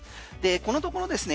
このところですね